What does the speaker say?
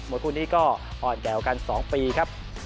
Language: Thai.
คู่นี้ก็อ่อนแอวกัน๒ปีครับ